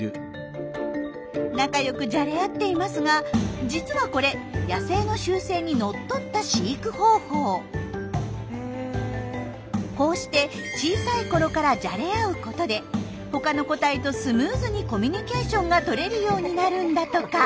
仲良くじゃれ合っていますが実はこれこうして小さいころからじゃれ合うことで他の個体とスムーズにコミュニケーションがとれるようになるんだとか。